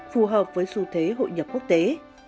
phù hợp với xu thế hội nhập quốc tế